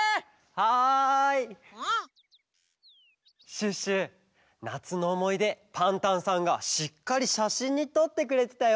シュッシュなつのおもいでパンタンさんがしっかりしゃしんにとってくれてたよ。